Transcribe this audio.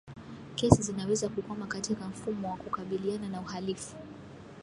Kesi zinaweza kukwama katika mfumo wa kukabiliana na uhalifu